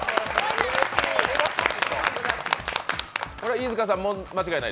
飯塚さんも間違いない？